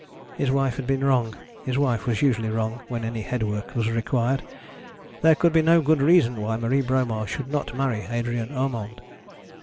His wife had been wrong. His wife was usually wrong when any headwork was required. There could be no good reason why Marie Bromar should not marry Adrian Urmand.